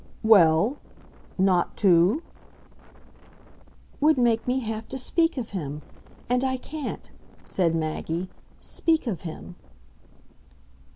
"Well, not to ?" "Would make me have to speak of him. And I can't," said Maggie, "speak of him."